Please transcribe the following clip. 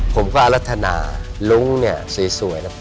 ผมก็อรัฐนาลุงเนี่ยสวยนะ